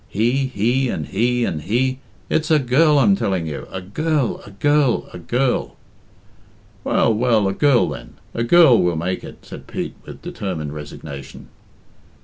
"He and he, and he and he! It's a girl, I'm telling you; a girl a girl a girl." "Well, well, a girl, then a girl we'll make it," said Pete, with determined resignation.